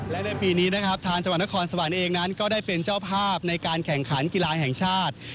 และในปีนี้นะครับทางจังหวัดนครสวรรค์เองนั้นก็ได้เป็นเจ้าภาพในการแข่งขันกีฬาแห่งชาติ